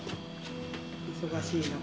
忙しい中。